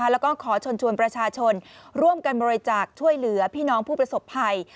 แล้วก็ขอเชิญชวนประชาชนร่วมกันบริจาคช่วยเหลือพี่น้องผู้ประสบภัย